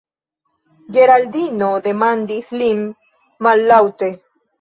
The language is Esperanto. Geraldino demandis lin mallaŭte: